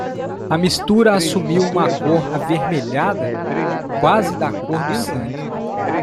A mistura assumiu uma cor avermelhada? quase da cor do sangue.